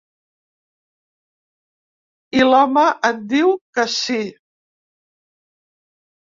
I l’home et diu que sí.